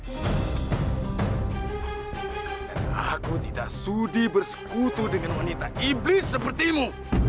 dan aku tidak sudi bersekutu dengan wanita iblis sepertimu